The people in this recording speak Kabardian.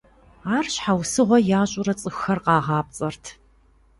Ар щхьэусыгъуэ ящӏурэ цӏыхухэр къагъапцӏэрт.